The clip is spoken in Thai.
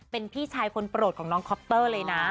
เป็นพี่ชายคนโปรดของน้องคอปเตอร์เลยนะ